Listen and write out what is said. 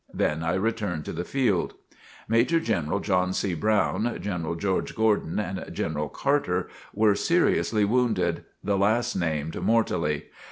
Then I returned to the field. Major General John C. Brown, General George Gordon, and General Carter were seriously wounded, the last named, mortally.